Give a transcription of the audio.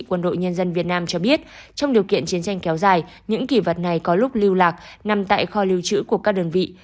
quân đội nhân dân việt nam cho biết trong điều kiện chiến tranh kéo dài những kỷ vật này có lúc lưu lạc nằm tại kho lưu trữ của các đơn vị